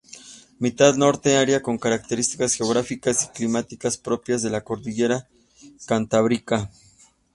Mitad norte: área con características geográficas y climáticas propias de la Cordillera Cantábrica.